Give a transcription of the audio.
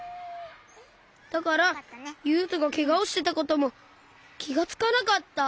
だからゆうとがけがをしてたこともきがつかなかった。